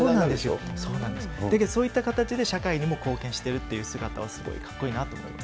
そうなんですよ、そういった形で社会にも貢献してるっていう姿をすごいかっこいいなと思います。